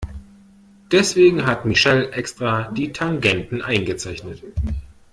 Deswegen hat Michelle extra die Tangenten eingezeichnet.